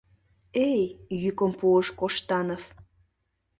— Эй! — йӱкым пуыш Коштанов.